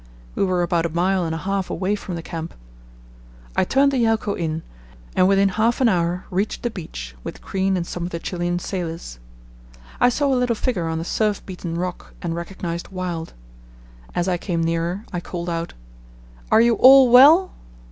We were about a mile and a half away from the camp. I turned the Yelcho in, and within half an hour reached the beach with Crean and some of the Chilian sailors. I saw a little figure on a surf beaten rock and recognized Wild. As I came nearer I called out, "Are you all well?"